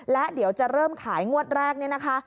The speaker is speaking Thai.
และเดี๋ยวจะเริ่มขายงวดแรกนี่นะคะ